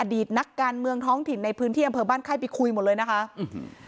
ตนักการเมืองท้องถิ่นในพื้นที่อำเภอบ้านไข้ไปคุยหมดเลยนะคะอืม